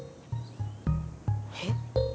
えっ。